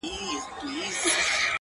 د څلورو مخلوقاتو گډ آواز دی~